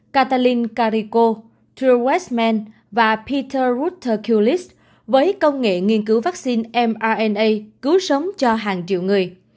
cataline carrico drew westman và peter rutherkulis với công nghệ nghiên cứu vaccine mrna cứu sống cho hàng triệu người